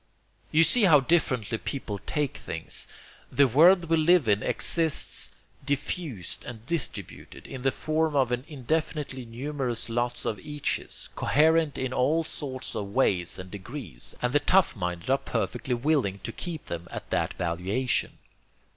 You see how differently people take things. The world we live in exists diffused and distributed, in the form of an indefinitely numerous lot of eaches, coherent in all sorts of ways and degrees; and the tough minded are perfectly willing to keep them at that valuation.